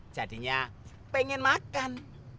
jadinya pengen makan